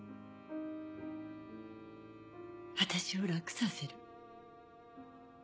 私を楽させる。